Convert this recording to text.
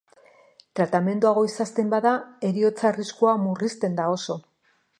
Tratamendua goiz hasten bada heriotza arriskua murrizten da oso.